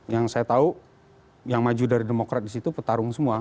yang saya tahu yang maju dari demokrat di situ petarung semua